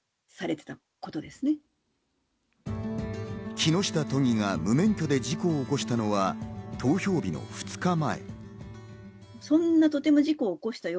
木下都議が無免許で事故を起こしたのは投票日の２日前。